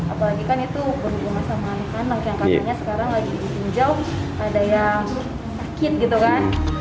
apalagi kan itu berhubungan sama anak anak yang katanya sekarang lagi ditinjau ada yang sakit gitu kan